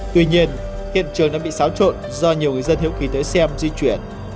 tuy nhiên hiện trường đã bị xáo trộn do nhiều người dân hiếu kỳ tới xem di chuyển